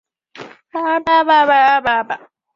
其后大厦改建为仓库及办公室。